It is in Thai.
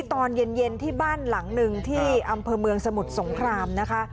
ตอนเย็นที่บ้านหลังหนึ่งที่อำเภอเมืองสมุทรสงครามนะคะ